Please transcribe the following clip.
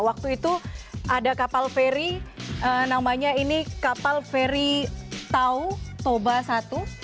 waktu itu ada kapal feri namanya ini kapal feri tau toba satu